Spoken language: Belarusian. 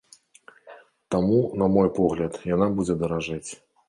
Таму, на мой погляд, яна будзе даражэць.